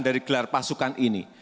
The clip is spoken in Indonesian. dari gelar pasukan ini